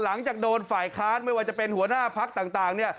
หลังจากโดนฝ่ายค้านไม่ว่าจะเป็นหัวหน้าพักต่างเนี่ย